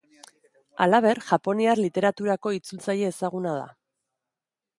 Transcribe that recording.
Halaber, japoniar literaturako itzultzaile ezaguna da.